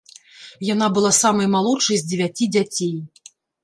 Яна была самай малодшай з дзевяці дзяцей.